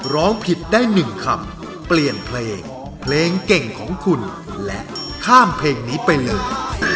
ร้องผิดได้๑คำเปลี่ยนเพลงเพลงเก่งของคุณและข้ามเพลงนี้ไปเลย